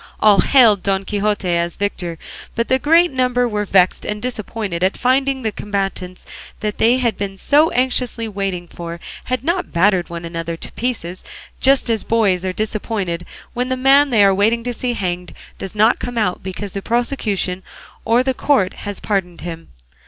All hailed Don Quixote as victor, but the greater number were vexed and disappointed at finding that the combatants they had been so anxiously waiting for had not battered one another to pieces, just as the boys are disappointed when the man they are waiting to see hanged does not come out, because the prosecution or the court has pardoned him.